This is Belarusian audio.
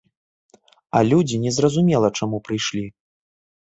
А людзі не зразумела чаму прыйшлі.